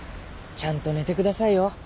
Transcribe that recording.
ちゃんと寝てくださいよ。